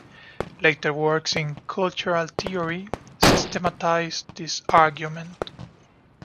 Later works in Cultural Theory systematized this argument.